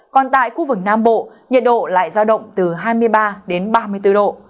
còn tại khu vực nam bộ nhiệt độ lại giao động từ hai mươi ba đến ba mươi bốn độ